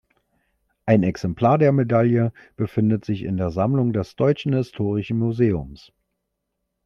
Ein Exemplar der Medaille befindet sich in der Sammlung des Deutschen Historischen Museums